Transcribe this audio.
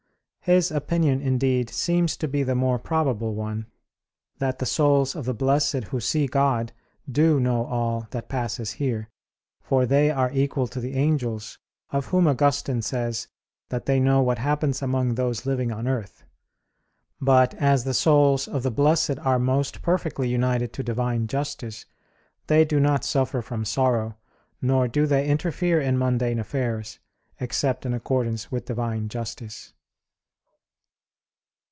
His opinion, indeed, seems to be the more probable one that the souls of the blessed who see God do know all that passes here. For they are equal to the angels, of whom Augustine says that they know what happens among those living on earth. But as the souls of the blessed are most perfectly united to Divine justice, they do not suffer from sorrow, nor do they interfere in mundane affairs, except in accordance with Divine justice.